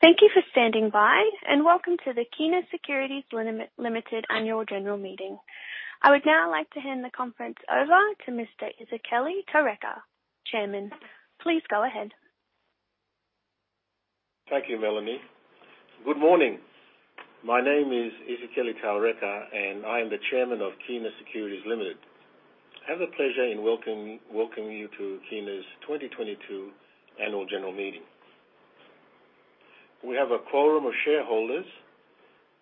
Thank you for standing by, and welcome to the Kina Securities Limited Annual General Meeting. I would now like to hand the conference over to Mr. Isikeli Taureka, Chairman. Please go ahead. Thank you, Melanie. Good morning. My name is Isikeli Taureka, and I am the Chairman of Kina Securities Limited. I have the pleasure in welcoming you to Kina's 2022 annual general meeting. We have a quorum of shareholders,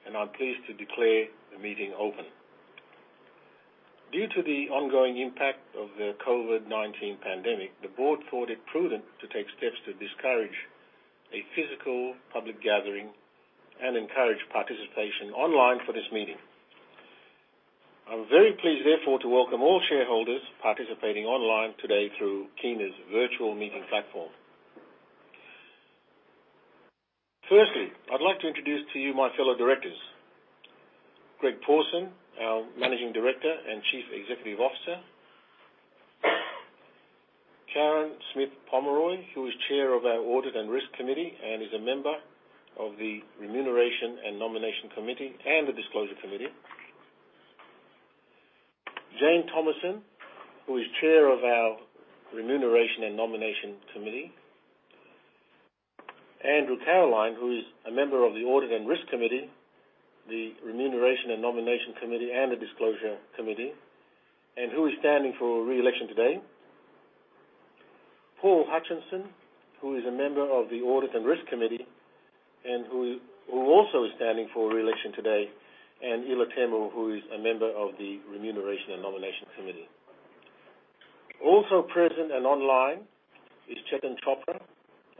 and I'm pleased to declare the meeting open. Due to the ongoing impact of the COVID-19 pandemic, the board thought it prudent to take steps to discourage a physical public gathering and encourage participation online for this meeting. I'm very pleased, therefore, to welcome all shareholders participating online today through Kina's virtual meeting platform. Firstly, I'd like to introduce to you my fellow directors. Greg Pawson, our Managing Director and Chief Executive Officer. Karen Smith-Pomeroy, who is Chair of our audit and risk committee and is a member of the remuneration and nomination committee and the disclosure committee. Jane Thomason, who is Chair of our remuneration and nomination committee. Andrew Carriline, who is a member of the audit and risk committee, the remuneration and nomination committee, and the disclosure committee, and who is standing for re-election today. Paul Hutchinson, who is a member of the audit and risk committee and who also is standing for re-election today. Ila Temu, who is a member of the remuneration and nomination committee. Also present and online is Chetan Chopra,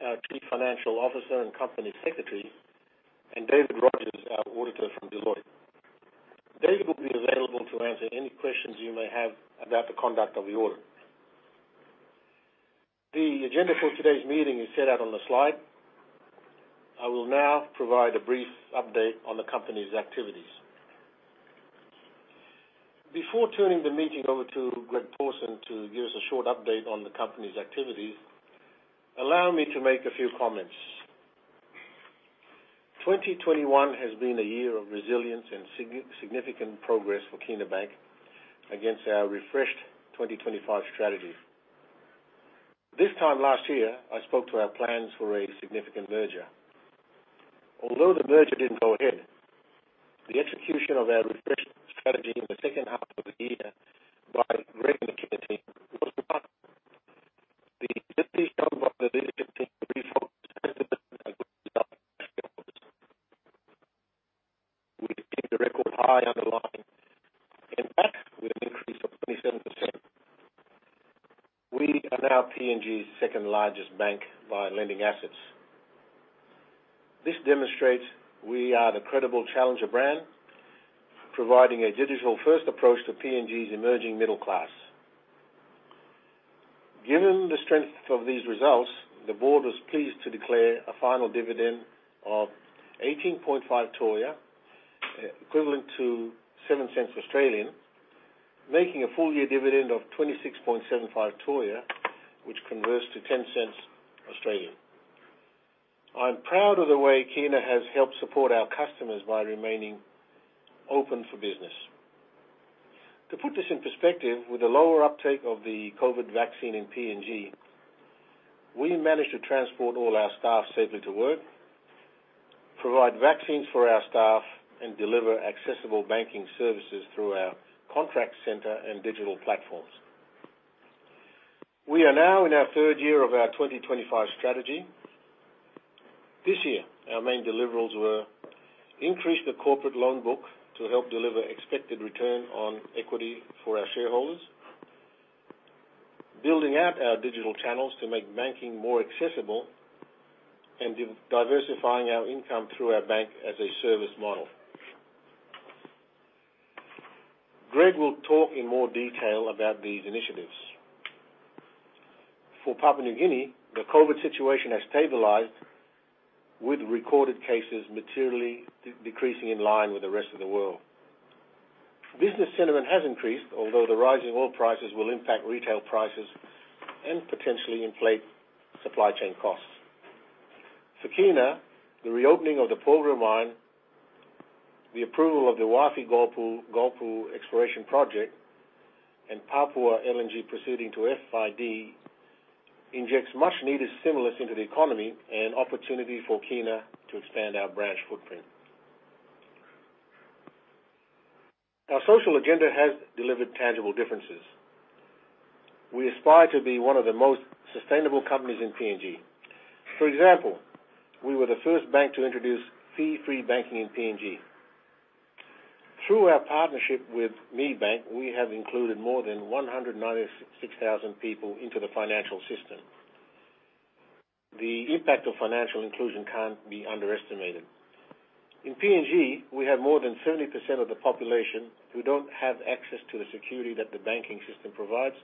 our Chief Financial Officer and Company Secretary, and David Rogers, our Auditor from Deloitte. David will be available to answer any questions you may have about the conduct of the audit. The agenda for today's meeting is set out on the slide. I will now provide a brief update on the company's activities. Before turning the meeting over to Greg Pawson to give us a short update on the company's activities, allow me to make a few comments. 2021 has been a year of resilience and significant progress for Kina Bank against our refreshed 2025 strategy. This time last year, I spoke to our plans for a significant merger. Although the merger didn't go ahead, we achieved a record high underlying impact with an increase of 27%. We are now PNG's second-largest bank by lending assets. This demonstrates we are the credible challenger brand, providing a digital-first approach to PNG's emerging middle class. Given the strength of these results, the board was pleased to declare a final dividend of PGK 0.185, equivalent to 0.07, making a full year dividend of PGK 0.2675, which converts to 0.10. I'm proud of the way Kina has helped support our customers by remaining open for business. To put this in perspective, with the lower uptake of the COVID vaccine in PNG, we managed to transport all our staff safely to work, provide vaccines for our staff, and deliver accessible banking services through our contact center and digital platforms. We are now in our third year of our 2025 strategy. This year, our main deliverables were increase the corporate loan book to help deliver expected return on equity for our shareholders, building out our digital channels to make banking more accessible, and diversifying our income through our Banking as a Service model. Greg will talk in more detail about these initiatives. For Papua New Guinea, the COVID situation has stabilized, with recorded cases materially decreasing in line with the rest of the world. Business sentiment has increased, although the rising oil prices will impact retail prices and potentially inflate supply chain costs. For Kina, the reopening of the Porgera Mine, the approval of the Wafi-Golpu, exploration project, and Papua LNG proceeding to FID injects much-needed stimulus into the economy and opportunity for Kina to expand our branch footprint. Our social agenda has delivered tangible differences. We aspire to be one of the most sustainable companies in PNG. For example, we were the first bank to introduce fee-free banking in PNG. Through our partnership with MiBank, we have included more than 196,000 people into the financial system. The impact of financial inclusion can't be underestimated. In PNG, we have more than 70% of the population who don't have access to the security that the banking system provides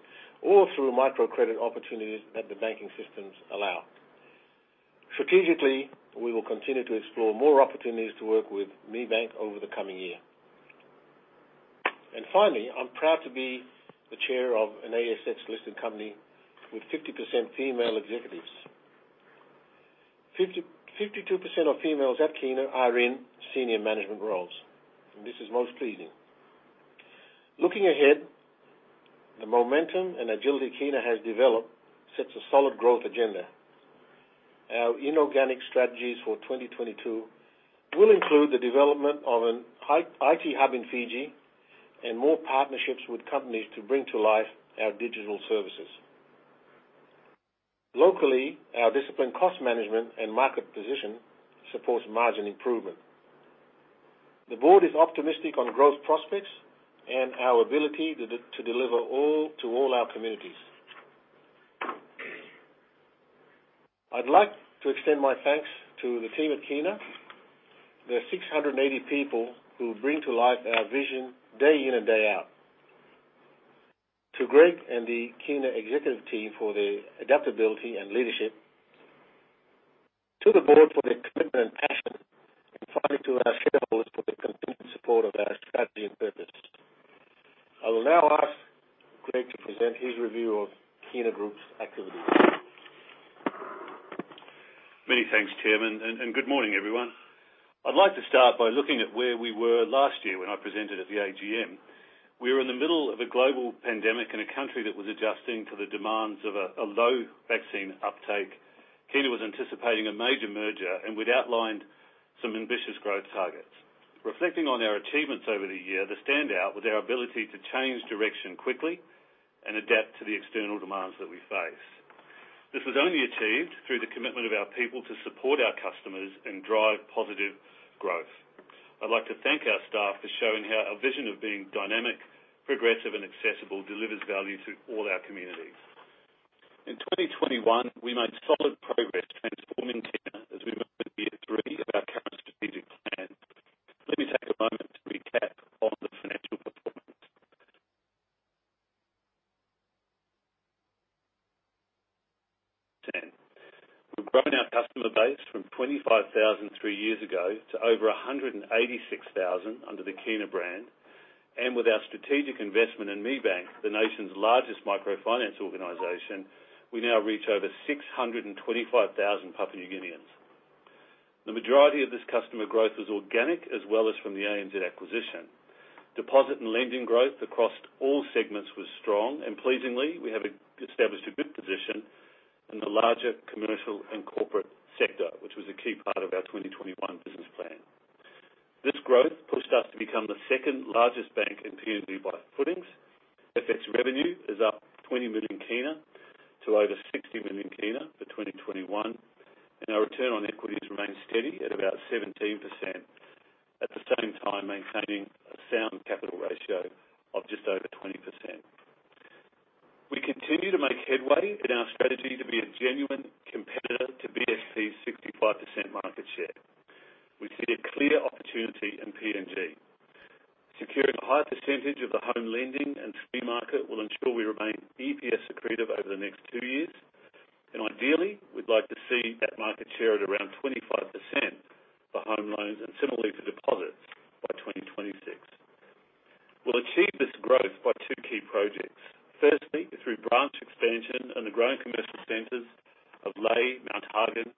or through microcredit opportunities that the banking systems allow. Strategically, we will continue to explore more opportunities to work with MiBank over the coming year. Finally, I'm proud to be the chair of an ASX-listed company with 50% female executives. 50%, 52% of females at Kina are in senior management roles, and this is most pleasing. Looking ahead, the momentum and agility Kina has developed sets a solid growth agenda. Our inorganic strategies for 2022 will include the development of an IT hub in Fiji and more partnerships with companies to bring to life our digital services. Locally, our disciplined cost management and market position supports margin improvement. The board is optimistic on growth prospects and our ability to deliver to all our communities. I'd like to extend my thanks to the team at Kina. There are 680 people who bring to life our vision day in and day out. To Greg and the Kina executive team for their adaptability and leadership. To the board for their commitment and passion. Finally, to our shareholders for their continued support of our strategy and purpose. I will now ask Greg to present his review of Kina Group's activities. Many thanks, chairman. Good morning, everyone. I'd like to start by looking at where we were last year when I presented at the AGM. We were in the middle of a global pandemic in a country that was adjusting to the demands of a low vaccine uptake. Kina was anticipating a major merger, and we'd outlined some ambitious growth targets. Reflecting on our achievements over the year, the standout was our ability to change direction quickly and adapt to the external demands that we face. This was only achieved through the commitment of our people to support our customers and drive positive growth. I'd like to thank our staff for showing how our vision of being dynamic, progressive, and accessible delivers value to all our communities. In 2021, we made solid progress transforming Kina as we move into year three of our current strategic plan. Let me take a moment to recap on the financial performance. 10. We've grown our customer base from 25,000 three years ago to over 186,000 under the Kina brand. With our strategic investment in MiBank, the nation's largest microfinance organization, we now reach over 625,000 Papua New Guineans. The majority of this customer growth was organic, as well as from the ANZ acquisition. Deposit and lending growth across all segments was strong, and pleasingly, we have established a good position in the larger commercial and corporate sector, which was a key part of our 2021 business plan. This growth pushed us to become the second largest bank in PNG by footings. FX revenue is up PGK 20 million to over PGK 60 million for 2021, and our return on equity has remained steady at about 17%. At the same time, maintaining a sound capital ratio of just over 20%. We continue to make headway in our strategy to be a genuine competitor to BSP's 65% market share. We see a clear opportunity in PNG. Securing a higher percentage of the home lending and SME market will ensure we remain EPS accretive over the next two years. Ideally, we'd like to see that market share at around 25% for home loans and similarly for deposits by 2026. We'll achieve this growth by two key projects. Firstly, through branch expansion in the growing commercial centers of Lae, Mount Hagen,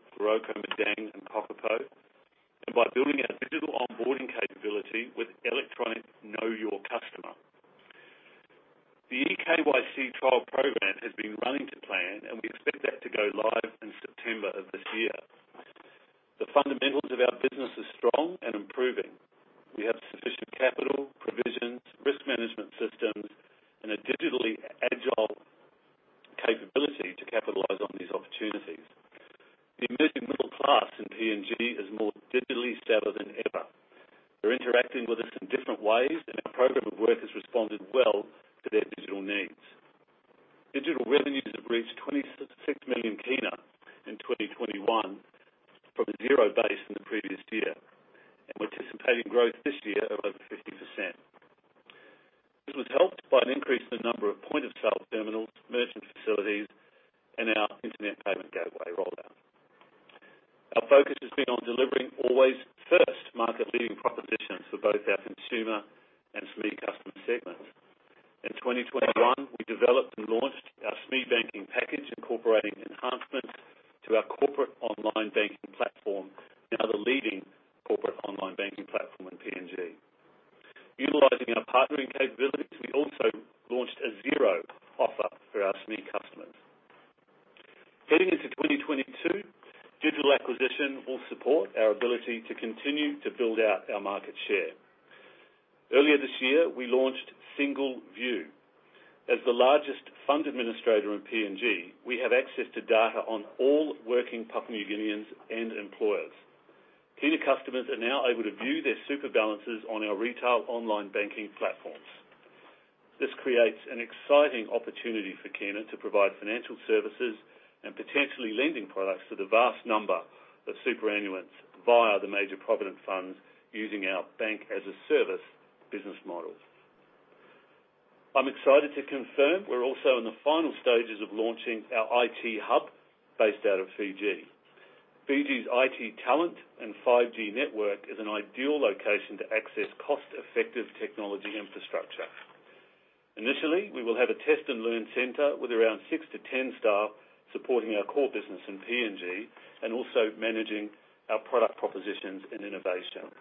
business model. I'm excited to confirm we're also in the final stages of launching our IT hub based out of Fiji. Fiji's IT talent and 5G network is an ideal location to access cost-effective technology infrastructure. Initially, we will have a test and learn center with around six to 10 staff supporting our core business in PNG and also managing our product propositions and innovation.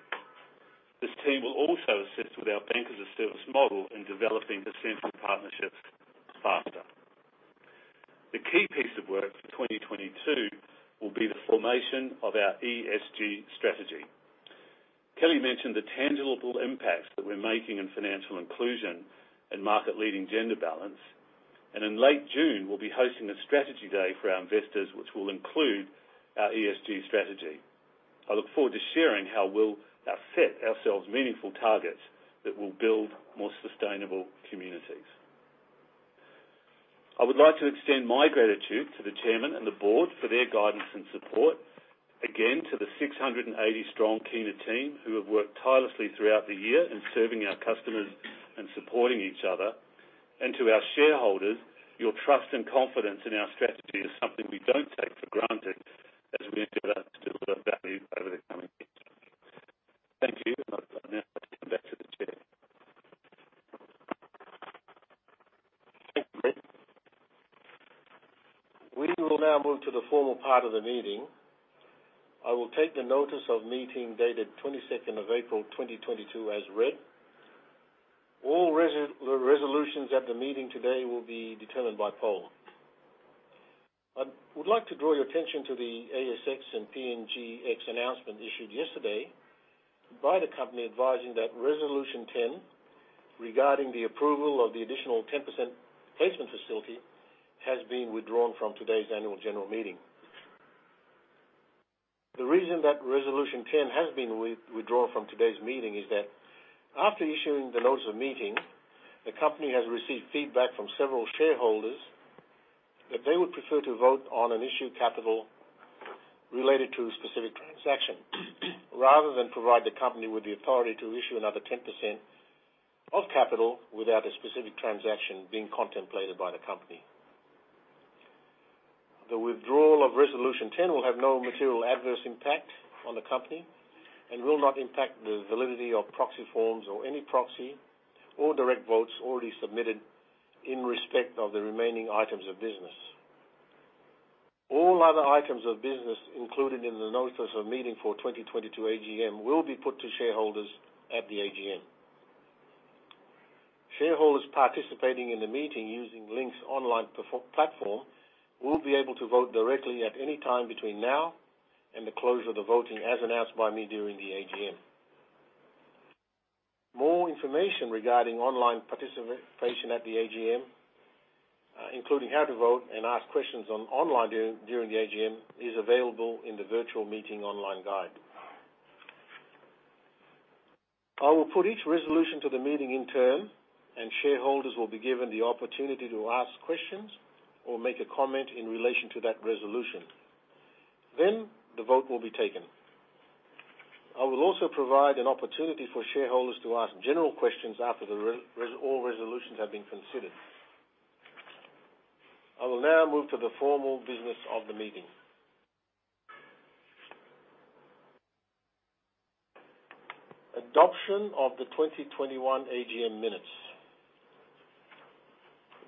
This team will also assist with our Banking as a Service model in developing essential partnerships faster. The key piece of work for 2022 will be the formation of our ESG strategy. Isikeli Taureka mentioned the tangible impacts that we're making in financial inclusion and market-leading gender balance. In late June, we'll be hosting a strategy day for our investors, which will include our ESG strategy. I look forward to sharing how we'll set ourselves meaningful targets that will build more sustainable communities. I would like to extend my gratitude to the chairman and the board for their guidance and support. Again, to the 680 strong Kina team who have worked tirelessly throughout the year in serving our customers and supporting each other. To our shareholders, your trust and confidence in our strategy is something we don't take for granted as we look to build value over the coming years. Thank you. I'd like now to come back to the chair. Thank you. We will now move to the formal part of the meeting. I will take the notice of meeting dated April 22nd, 2022 as read. All resolutions at the meeting today will be determined by poll. I would like to draw your attention to the ASX and PNGX announcement issued yesterday by the company advising that resolution 10, regarding the approval of the additional 10% placement facility, has been withdrawn from today's annual general meeting. The reason that resolution 10 has been withdrawn from today's meeting is that after issuing the notice of meeting, the company has received feedback from several shareholders that they would prefer to vote on an issue of capital related to a specific transaction rather than provide the company with the authority to issue another 10% of capital without a specific transaction being contemplated by the company. The withdrawal of resolution 10 will have no material adverse impact on the company and will not impact the validity of proxy forms or any proxy or direct votes already submitted in respect of the remaining items of business. All other items of business included in the notice of meeting for 2022 AGM will be put to shareholders at the AGM. Shareholders participating in the meeting using Link's online platform will be able to vote directly at any time between now and the close of the voting, as announced by me during the AGM. More information regarding online participation at the AGM, including how to vote and ask questions online during the AGM, is available in the virtual meeting online guide. I will put each resolution to the meeting in turn, and shareholders will be given the opportunity to ask questions or make a comment in relation to that resolution. Then the vote will be taken. I will also provide an opportunity for shareholders to ask general questions after all resolutions have been considered. I will now move to the formal business of the meeting. Adoption of the 2021 AGM minutes.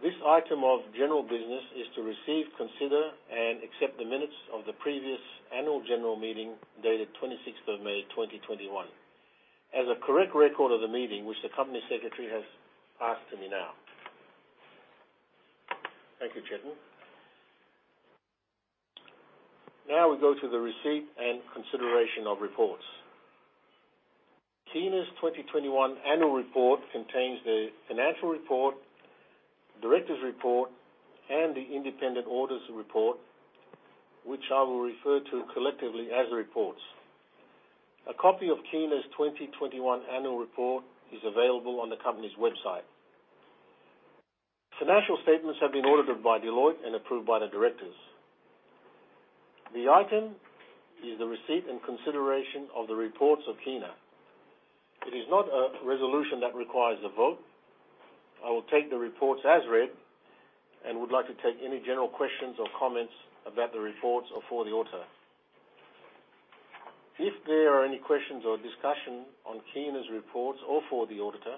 This item of general business is to receive, consider, and accept the minutes of the previous annual general meeting dated May 26th, 2021 as a correct record of the meeting, which the company secretary has passed to me now. Thank you, Chetan. Now we go to the receipt and consideration of reports. Kina's 2021 annual report contains the financial report, directors report, and the independent auditor's report, which I will refer to collectively as reports. A copy of Kina's 2021 annual report is available on the company's website. Financial statements have been audited by Deloitte and approved by the directors. The item is the receipt and consideration of the reports of Kina. It is not a resolution that requires a vote. I will take the reports as read and would like to take any general questions or comments about the reports or for the auditor. If there are any questions or discussion on Kina's reports or for the auditor,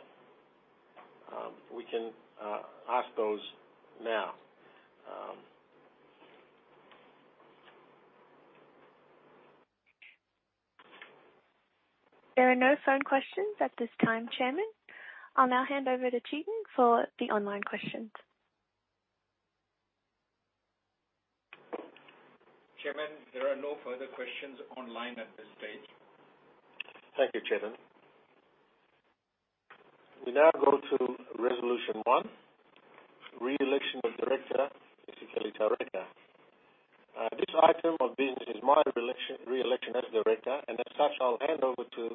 we can ask those now. There are no phone questions at this time, Chairman. I'll now hand over to Chetan for the online questions. Chairman, there are no further questions online at this stage. Thank you, Chetan. We now go to Resolution one, re-election of Director, Mr. Isikeli Taureka. This item of business is my re-election as director, and as such, I'll hand over to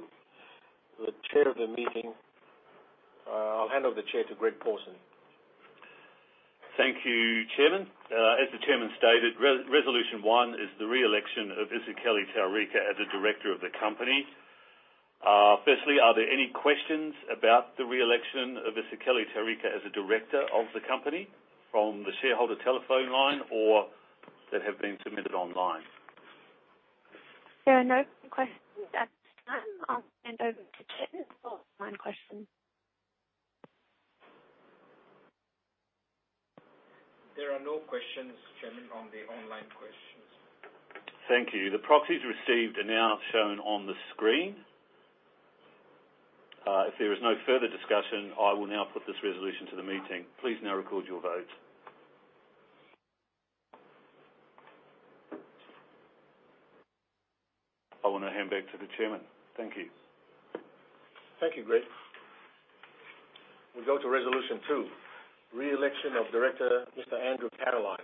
the chair of the meeting. I'll hand over the chair to Greg Pawson. Thank you, Chairman. As the Chairman stated, resolution one is the re-election of Mr. Isikeli Taureka as a Director of the company. Firstly, are there any questions about the re-election of Mr. Isikeli Taureka as a director of the company from the shareholder telephone line or that have been submitted online? There are no questions at this time. I'll hand over to Chetan for online questions. There are no questions, Chairman, on the online questions. Thank you. The proxies received are now shown on the screen. If there is no further discussion, I will now put this resolution to the meeting. Please now record your votes. I wanna hand back to the Chairman. Thank you. Thank you, Greg. We go to resolution two, re-election of Director Mr. Andrew Carriline.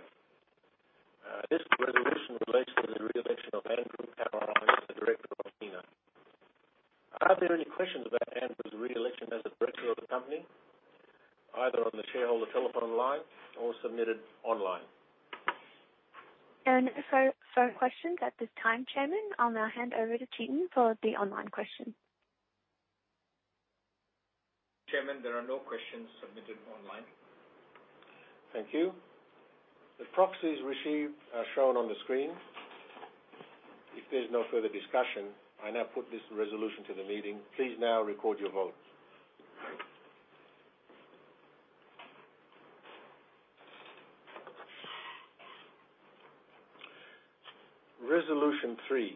This resolution relates to the re-election of Andrew Carriline as the Director of Kina. Are there any questions about Andrew's reelection as a director of the company, either on the shareholder telephone line or submitted online? There are no phone questions at this time, Chairman. I'll now hand over to Chetan for the online questions. Chairman, there are no questions submitted online. Thank you. The proxies received are shown on the screen. If there's no further discussion, I now put this resolution to the meeting. Please now record your vote. Resolution three,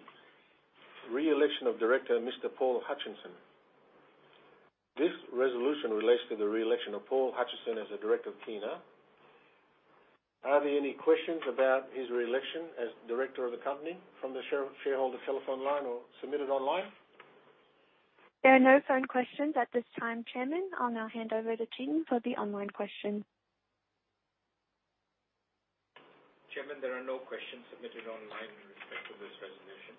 reelection of Director Mr. Paul Hutchinson. This resolution relates to the reelection of Paul Hutchinson as a director of Kina. Are there any questions about his reelection as director of the company from the shareholder telephone line or submitted online? There are no phone questions at this time, Chairman. I'll now hand over to Chetan for the online questions. Chairman, there are no questions submitted online in respect of this resolution.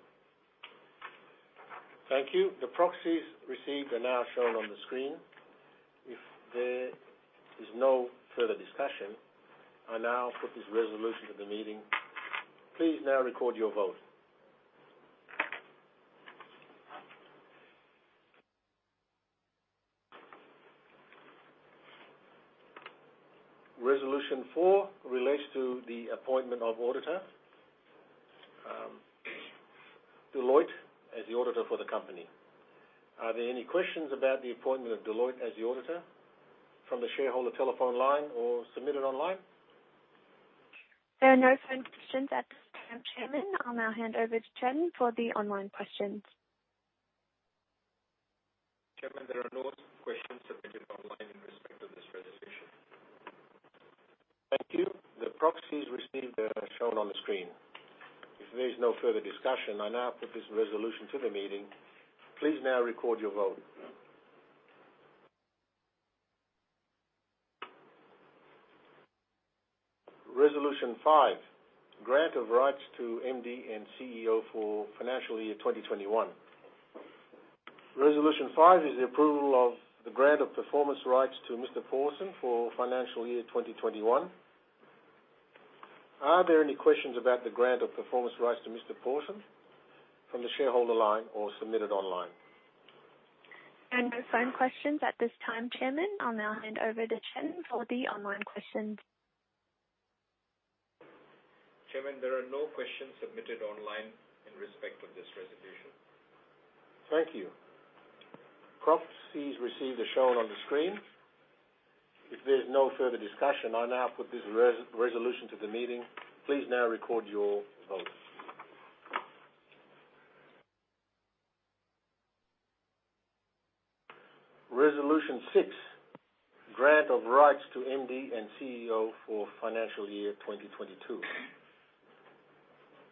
Thank you. The proxies received are now shown on the screen. If there is no further discussion, I now put this resolution to the meeting. Please now record your vote. Resolution four relates to the appointment of Auditor, Deloitte as the auditor for the company. Are there any questions about the appointment of Deloitte as the auditor from the shareholder telephone line or submitted online? There are no phone questions at this time, Chairman. I'll now hand over to Chetan for the online questions. Chairman, there are no questions submitted online in respect of this resolution. Thank you. The proxies received are now shown on the screen. If there is no further discussion, I now put this resolution to the meeting. Please now record your vote. Resolution five, grant of rights to MD and CEO for financial year 2021. Resolution five is the approval of the grant of performance rights to Mr. Pawson for financial year 2021. Are there any questions about the grant of performance rights to Mr. Pawson from the shareholder line or submitted online? There are no phone questions at this time, Chairman. I'll now hand over to Chetan for the online questions. Chairman, there are no questions submitted online in respect of this resolution. Thank you. Proxies received are shown on the screen. If there's no further discussion, I now put this resolution to the meeting. Please now record your votes. Resolution six, grant of rights to MD and CEO for financial year 2022.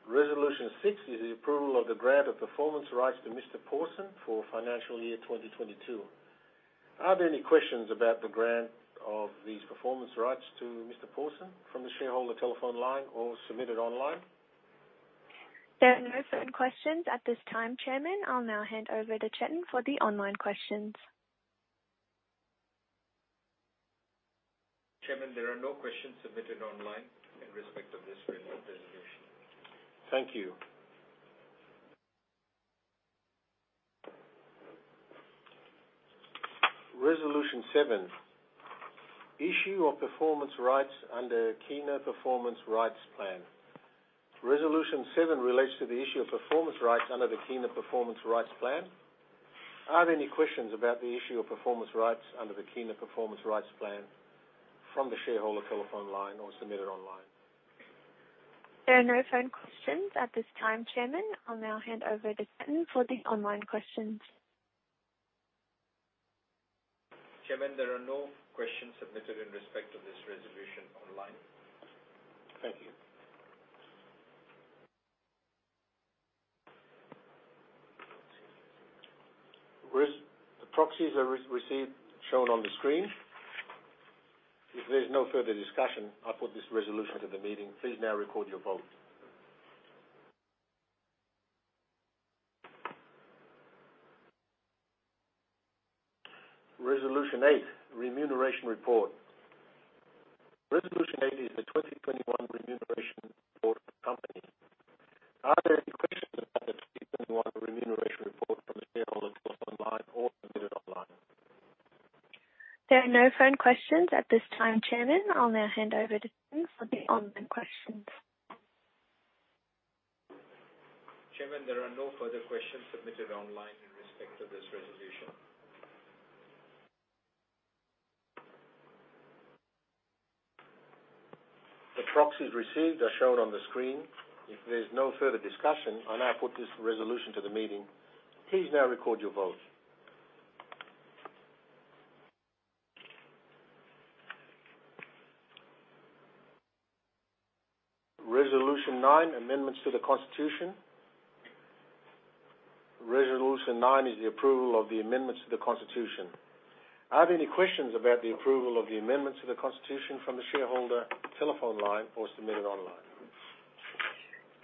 Resolution six is the approval of the grant of performance rights to Mr. Pawson for financial year 2022. Are there any questions about the grant of these performance rights to Mr. Pawson from the shareholder telephone line or submitted online? There are no phone questions at this time, Chairman. I'll now hand over to Chetan for the online questions. Chairman, there are no questions submitted online in respect of this re-resolution. Thank you. Resolution seven, issue of performance rights under Kina Performance Rights Plan. Resolution seven relates to the issue of performance rights under the Kina Performance Rights Plan. Are there any questions about the issue of performance rights under the Kina Performance Rights Plan from the shareholder telephone line or submitted online? There are no phone questions at this time, Chairman. I'll now hand over to Chetan for the online questions. Chairman, there are no questions submitted in respect of this resolution online. Thank you. The proxies are received, shown on the screen. If there's no further discussion, I put this resolution to the meeting. Please now record your vote. Resolution eight, remuneration report. Resolution eight is the 2021 remuneration report of the company. Are there any questions about the 2021 remuneration report from the shareholders online or submitted online? There are no phone questions at this time, Chairman. I'll now hand over to Chris for the online questions. Chairman, there are no further questions submitted online in respect to this resolution. The proxies received are shown on the screen. If there's no further discussion, I now put this resolution to the meeting. Please now record your vote. Resolution nine, amendments to the constitution. Resolution nine is the approval of the amendments to the constitution. Are there any questions about the approval of the amendments to the constitution from the shareholder telephone line or submitted online?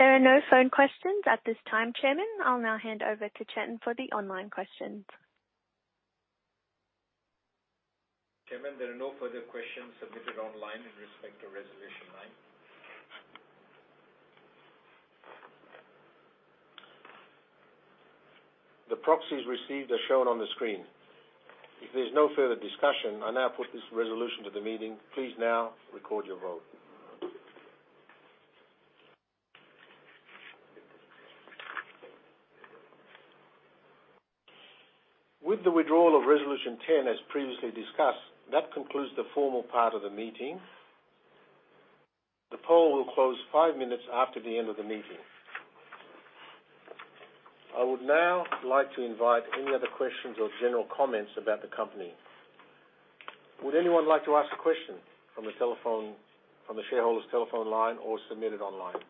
There are no phone questions at this time, Chairman. I'll now hand over to Chetan Chopra for the online questions. Chairman, there are no further questions submitted online in respect to resolution nine. The proxies received are shown on the screen. If there's no further discussion, I now put this resolution to the meeting. Please now record your vote. With the withdrawal of resolution 10, as previously discussed, that concludes the formal part of the meeting. The poll will close 5 minutes after the end of the meeting. I would now like to invite any other questions or general comments about the company. Would anyone like to ask a question from the shareholder's telephone line or submit it online?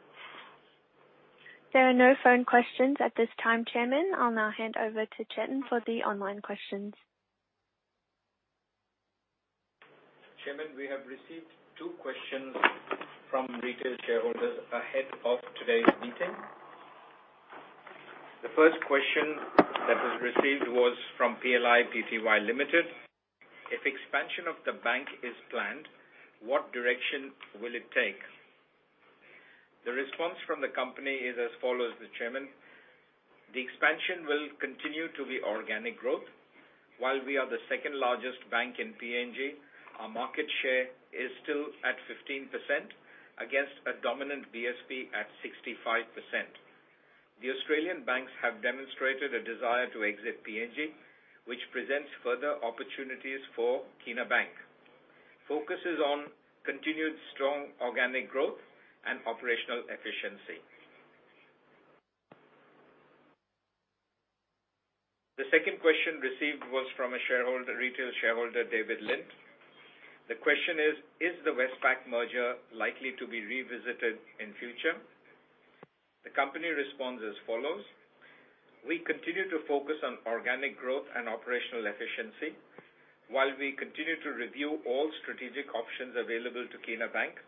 There are no phone questions at this time, Chairman. I'll now hand over to Chetan Chopra for the online questions. Chairman, we have received two questions from retail shareholders ahead of today's meeting. The first question that was received was from PLI-PTY Limited. If expansion of the bank is planned, what direction will it take? The response from the company is as follows. The Chairman: The expansion will continue to be organic growth. While we are the second-largest bank in PNG, our market share is still at 15% against a dominant BSP at 65%. The Australian banks have demonstrated a desire to exit PNG, which presents further opportunities for Kina Bank. Focus is on continued strong organic growth and operational efficiency. The second question received was from a shareholder, retail shareholder, David Lint. The question is: Is the Westpac merger likely to be revisited in future? The company responds as follows: We continue to focus on organic growth and operational efficiency. While we continue to review all strategic options available to Kina Bank,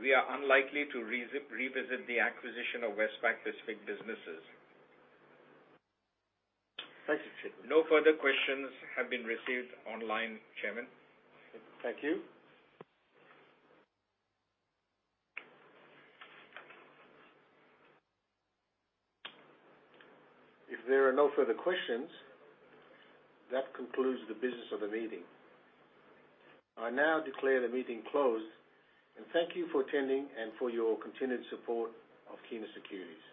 we are unlikely to revisit the acquisition of Westpac Pacific businesses. Thank you, Chetan. No further questions have been received online, Chairman. Thank you. If there are no further questions, that concludes the business of the meeting. I now declare the meeting closed, and thank you for attending and for your continued support of Kina Securities. Thank you.